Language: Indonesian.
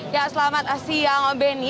ya selamat siang benny